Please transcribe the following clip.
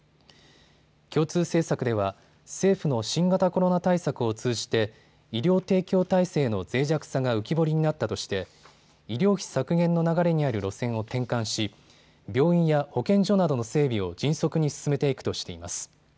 共通政策では政府の新型コロナ対策を通じて医療提供体制のぜい弱さが浮き彫りになったとして医療費削減の流れにある路線を転換し病院や保健所などの整備を迅速に進めていくとしています。